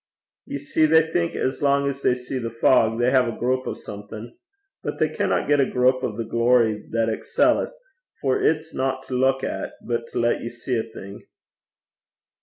'Ye see, they think as lang 's they see the fog, they hae a grup o' something. But they canna get a grup o' the glory that excelleth, for it's not to luik at, but to lat ye see a' thing.'